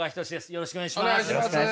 よろしくお願いします。